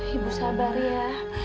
ibu sabar ya